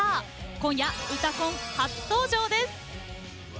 今夜「うたコン」初登場です。